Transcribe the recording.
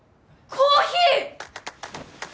コーヒー！